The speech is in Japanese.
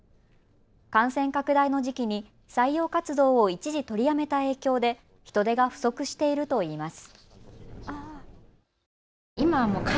感染拡大の時期に採用活動を一時取りやめた影響で人手が不足しているといいます。